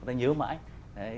người ta nhớ mãi